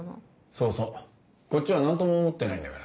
そうそうこっちは何とも思ってないんだから。